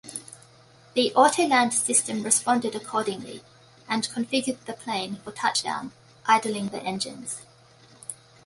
The autoland system responded accordingly and configured the plane for touchdown, idling the engines.